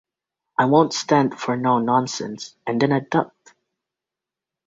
I won't stand for no nonsense, and then I duck.